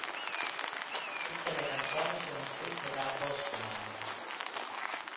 Tutte le canzoni sono state scritte da "Bosco Mann".